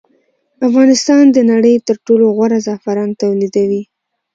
افغانستان د نړۍ تر ټولو غوره زعفران تولیدوي